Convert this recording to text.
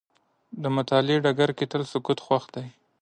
د مطالعې ډګر کې تل سکوت خوښ دی.